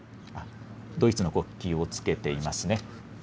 ドイツの国旗をつけていますね。